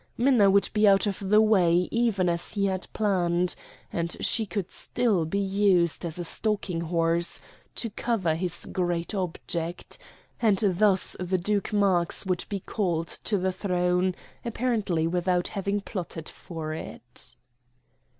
Minna would be out of the way even as he had planned, and she could still be used as a stalking horse to cover his great object, and thus the Duke Marx would be called to the throne apparently without having plotted for it.